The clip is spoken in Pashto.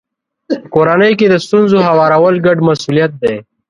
په کورنۍ کې د ستونزو هوارول ګډ مسولیت دی.